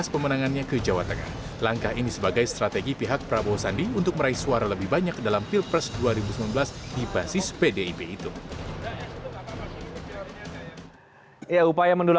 sebelumnya prabowo subianto